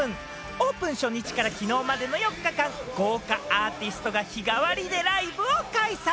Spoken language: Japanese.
オープン初日から昨日までの４日間、豪華アーティストが日替わりでライブを開催！